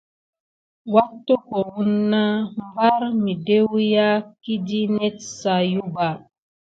Wat-tokowəni na ɓare miɖa wuya kiɗi net sayuɓa.